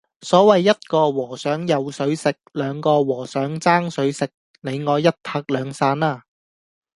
所謂一個和尚有水食，兩個和尚爭水食，你我一拍兩散啦